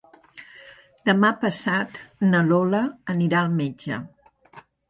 Demà passat na Lola anirà al metge.